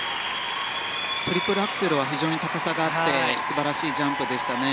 トリプルアクセルは非常に高さがあって素晴らしいジャンプでしたね。